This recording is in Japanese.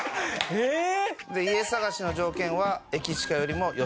えっ！